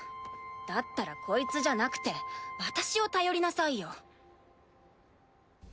だったらこいつじゃなくて私を頼りなさいよ。